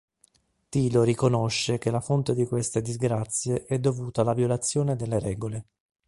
Tilo riconosce che la fonte di queste disgrazie è dovuta alla violazione delle regole.